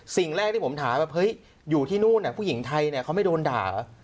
สิ่งแรกที่ผมถามว่าเฮ้ยอยู่ที่นู่นผู้หญิงไทยเขาไม่โดนด่า